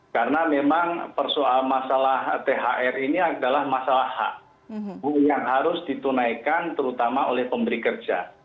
karena memang persoal masalah thr ini adalah masalah hak yang harus ditunaikan terutama oleh pemberi kerja